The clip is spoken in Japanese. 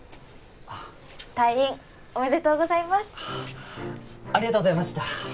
あっ退院おめでとうございますあっありがとうございました